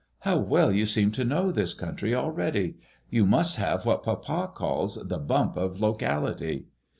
How well you seem to know this country already I You must have what papa calls the bump of locality."